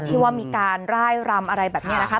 ที่ว่ามีการร่ายรำอะไรแบบนี้นะคะ